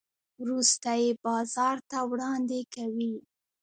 وروسته یې بازار ته وړاندې کوي.